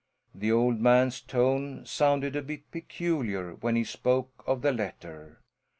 The old man's tone sounded a bit peculiar when he spoke of the letter.